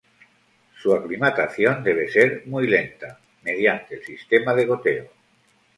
Su aclimatación debe ser muy lenta, mediante el sistema de goteo.